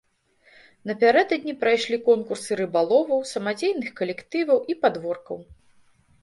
Напярэдадні прайшлі конкурсы рыбаловаў, самадзейных калектываў і падворкаў.